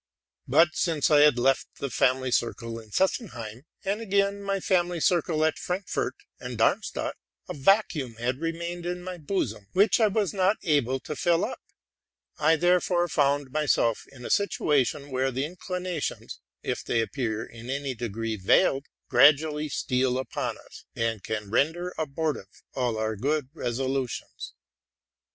But since I had left the family circle in Sesenheim, and again my family circle at Frankfort and Darmstadt, a vacuum had remained in my bosom which I was not able to fill up: I therefore found myself in a situation where the inclinations, if they appear in any degree veiled, gradually i a ee RELATING TO MY LIFE. 129 steal upon us, and can render abortive all our good resolu tions.